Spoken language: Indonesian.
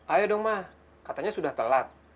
ayo dong mah katanya sudah telat